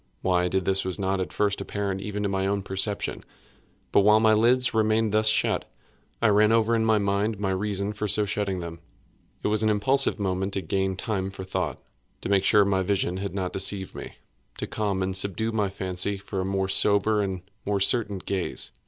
Why I did this was not at first apparent even to my own perception. But while my lids remained thus shut, I ran over in my mind my reason for so shutting them. It was an impulsive movement to gain time for thought—to make sure that my vision had not deceived me—to calm and subdue my fancy for a more sober and more certain gaze.